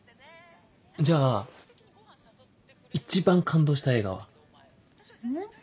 じゃあ一番感動した映画は？え？